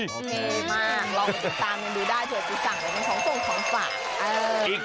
โอเคมากลองติดตามกันดูได้เถอะจุศักดิ์